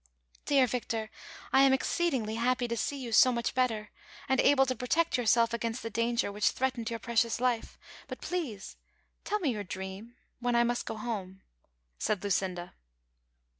"Dear Victor, I am exceedingly happy to see you so much better, and able to protect yourself against the danger which threatened' your precious life ; but, please tell me your dream, when I must go home," said Lucinda.